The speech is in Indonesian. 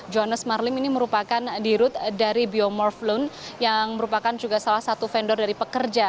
johannes marlim ini merupakan dirut dari biomorph loan yang merupakan juga salah satu vendor dari pekerja